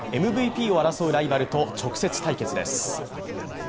ＭＶＰを争うライバルと直接対決です